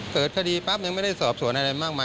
เกิดคดีปั๊บยังไม่ได้สอบสวนอะไรมากมาย